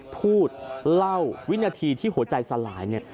พูดเล่าวินาทีที่หัวใจสลายเนี่ย